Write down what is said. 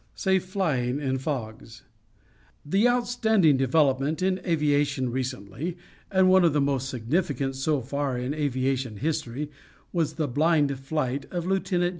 SAFE FLYING IN FOGS The outstanding development in aviation recently, and one of the most significant so far in aviation history was the "blind" flight of Lieut.